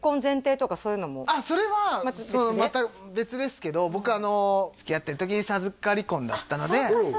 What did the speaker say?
あっそれはまた別ですけど僕つきあってる時に授かり婚だったのであっ